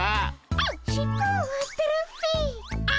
しっぽをふってるっピ。